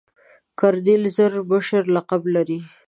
کرنیل زر مشر لقب لري.